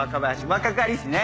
若かりしね。